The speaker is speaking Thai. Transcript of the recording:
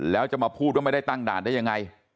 แล้วจะมาพูดว่าไม่ได้ตั้งด่านได้ยังไง